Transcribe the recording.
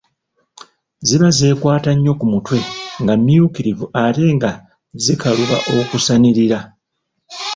Ziba zeekwata nnyo ku mutwe, nga mmyukirivu ate nga zikaluba okusanirira.